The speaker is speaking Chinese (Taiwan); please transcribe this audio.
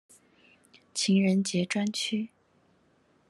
情人節專區